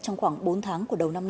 trong khoảng bốn tháng